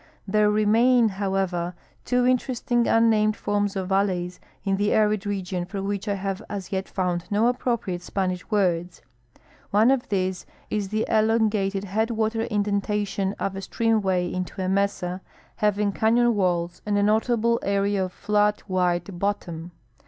There remain, however, two interesting unnamed forms of valleys in the arid region for which I have as yet found no appropriate Spanish Avords. One of these is the elongated headwater indentation of a streaniAA'ay into a mesa, haAung canon Avails and a notable area of flat, Avide bottom.